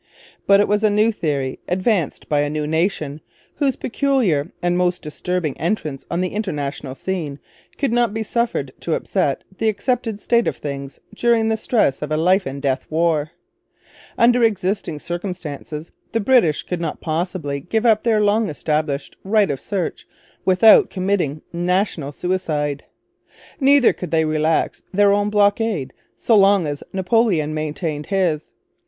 But it was a new theory, advanced by a new nation, whose peculiar and most disturbing entrance on the international scene could not be suffered to upset the accepted state of things during the stress of a life and death war. Under existing circumstances the British could not possibly give up their long established Right of Search without committing national suicide. Neither could they relax their own blockade so long as Napoleon maintained his.